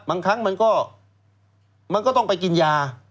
บางครั้งมันก็ต้องไปกินยา